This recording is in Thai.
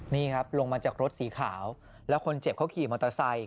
นี่ครับลงมาจากรถสีขาวแล้วคนเจ็บเขาขี่มอเตอร์ไซค